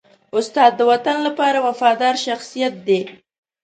استاد د وطن لپاره وفادار شخصیت دی.